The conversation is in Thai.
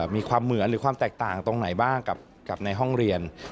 มีความเหมือนหรือความแตกต่างตรงไหนบ้างกับในห้องเรียน